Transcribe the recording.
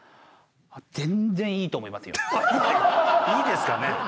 いいですかね？